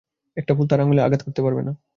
একটা ফুল তার আঙ্গুলে আঘাত করতে পারবেনা।